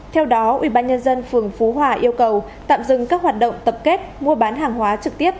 theo đó ubnd phường phú hòa yêu cầu tạm dừng các hoạt động tập kết mua bán hàng hóa trực tiếp